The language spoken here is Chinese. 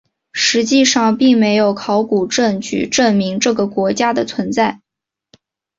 实际上并没有考古证据证明这个国家的存在。